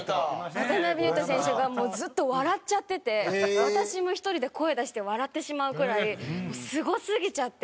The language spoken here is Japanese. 渡邊雄太選手がずっと笑っちゃってて私も１人で声出して笑ってしまうくらいもうすごすぎちゃって。